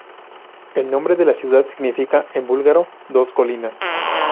El nombre de la ciudad significa en búlgaro "dos colinas".